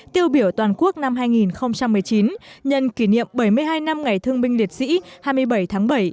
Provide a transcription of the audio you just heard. tiêu biểu toàn quốc năm hai nghìn một mươi chín nhân kỷ niệm bảy mươi hai năm ngày thương binh liệt sĩ hai mươi bảy tháng bảy